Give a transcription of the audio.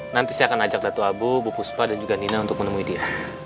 nanti saya akan ajak datu abu buspa dan juga nina untuk menemui dia